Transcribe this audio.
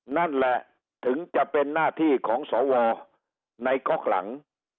นั่นแหละถึงจะเป็นหน้าที่ของสวในก๊อกหลัง